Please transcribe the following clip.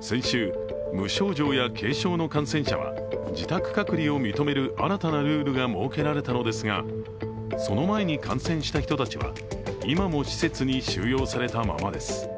先週、無症状や軽症の感染者は自宅隔離を認める新たなルールが設けられたのですがその前に感染した人たちは今も施設に収容されたままです。